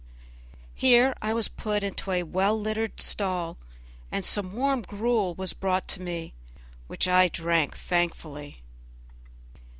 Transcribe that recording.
Here I was put into a well littered stall, and some warm gruel was brought to me, which I drank thankfully.